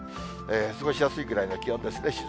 過ごしやすいくらいの気温ですね。